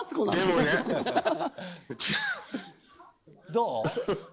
どう。